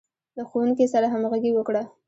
له ښوونکي سره همغږي وکړه.